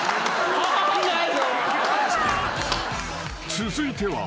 ［続いては］